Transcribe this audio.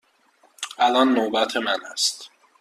الان نوبت من است.